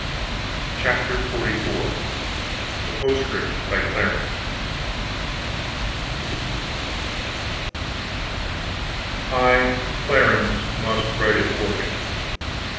CHAPTER XLIV A POSTSCRIPT BY CLARENCE I, Clarence, must write it for him.